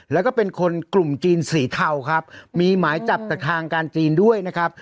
แล้วก็เป็นคนกลุ่มจีนสีเทาครับมีหมายจับจากทางการจีนด้วยนะครับ